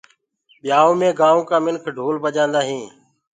ٻيآئوٚ مي گآئونٚ ڪآ منک ڍول بجآندآ هينٚ۔